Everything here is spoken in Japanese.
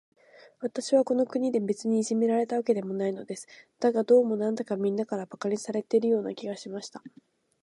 私はこの国で、別にいじめられたわけではないのです。だが、どうも、なんだか、みんなから馬鹿にされているような気がしました。